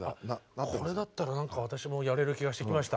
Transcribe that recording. これだったらなんか私もやれる気がしてきました。